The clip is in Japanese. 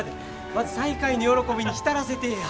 まず再会の喜びに浸らせてえや。